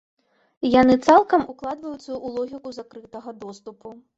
Яны цалкам укладваюцца ў логіку закрытага доступу.